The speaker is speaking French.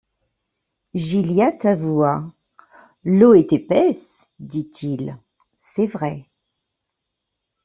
Gilliatt avoua. — L’eau est épaisse, dit-il ; c’est vrai.